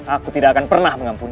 aku tidak akan pernah mengampuni